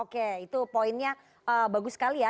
oke itu poinnya bagus sekali ya